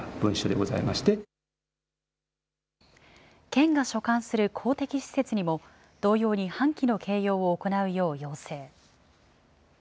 県が所管する公的施設にも、同様に半旗の掲揚を行うよう要請。